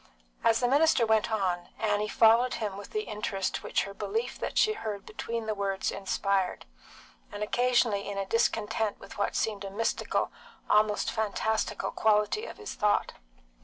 As the minister went on, Annie followed him with the interest which her belief that she heard between the words inspired, and occasionally in a discontent with what seemed a mystical, almost a fantastical, quality of his thought.